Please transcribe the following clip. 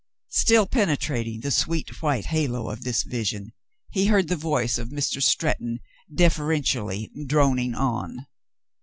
Still penetrating the sweet, white halo of this vision, he heard the voice of Mr. Stretton deferen tially droning on.